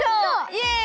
イエイ。